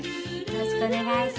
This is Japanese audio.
よろしくお願いします。